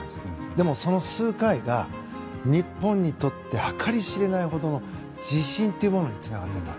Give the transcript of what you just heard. でも、その数回が日本にとって計り知れないほどの自信につながっていた。